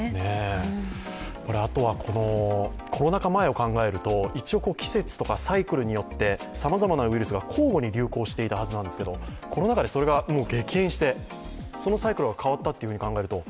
あとはコロナ禍前を考えると季節とかサイクルによってさまざまなウイルスが交互に流行してたはずなんですけどコロナ禍でそれが激減して、そのサイクルが変わったっていうふうに考えると。